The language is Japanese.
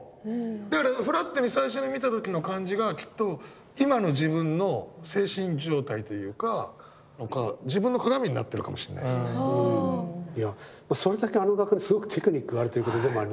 だからフラットに最初に見た時の感じがきっと今の自分の精神状態というかそれだけあの画家にすごくテクニックがあるということでもありますよね。